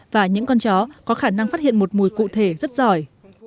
và những con chó có khả năng phát hiện một mùi cụ thể rất giỏi